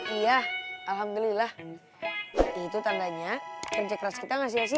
iya alhamdulillah itu tandanya kencek keras kita nggak sia sia